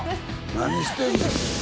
何してんねん。